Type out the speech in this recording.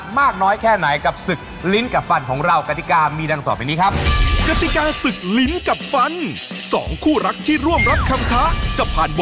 มีหนักน้อยแค่ไหนกับศึกลิ้นกับฟันของราวคติกามีดังตอบอย่างนี้ครับ